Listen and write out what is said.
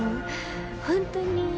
本当に。